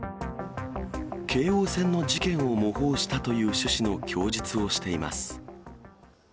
京王線の事件を模倣したという趣旨の供述をしています。